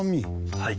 はい。